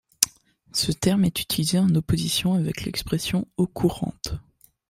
Ce terme est utilisé en opposition avec l'expression eaux courantes.